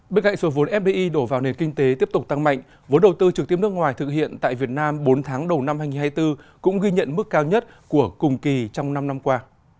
bên cạnh số vốn fdi đổ vào nền kinh tế tiếp tục tăng mạnh vốn đầu tư trực tiếp nước ngoài thực hiện tại việt nam bốn tháng đầu năm hai nghìn hai mươi bốn cũng ghi nhận mức cao nhất của cùng kỳ trong năm năm qua